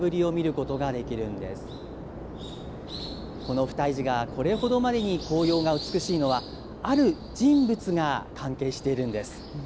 この不退寺がこれほどまでに紅葉が美しいのは、ある人物が関係しているんです。